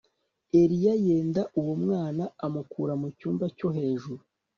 Eliya yenda uwo mwana amukura mu cyumba cyo hejuru